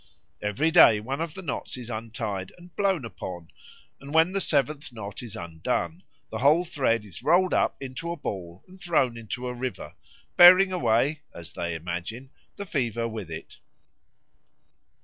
Every day one of the knots is untied and blown upon, and when the seventh knot is undone the whole thread is rolled up into a ball and thrown into a river, bearing away (as they imagine) the fever with it.